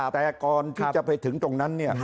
แต่ก่อนที่จะไปถึงตรงนั้นเนี่ย